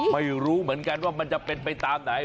ไม่รู้เหมือนกันว่ามันจะเป็นไปตามไหน